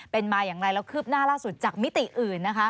เป็นมาอย่างไรแล้วคืบหน้าล่าสุดจากมิติอื่นนะคะ